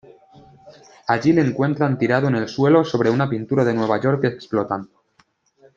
Allí le encuentran tirado en el suelo sobre una pintura de Nueva York explotando.